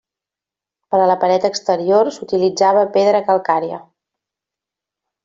Per a la paret exterior s'utilitzava pedra calcària.